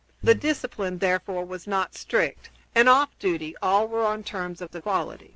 The discipline, therefore, was not strict, and, off duty, all were on terms of equality.